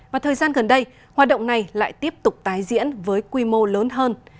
và thời gian gần đây hoạt động này lại tiếp tục tái diễn với quy mô lớn hơn